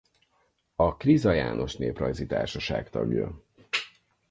A Kriza János Néprajzi Társaság tagja.